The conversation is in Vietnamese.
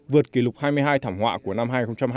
vượt kỷ lục hai mươi hai thảm họa của năm hai nghìn hai mươi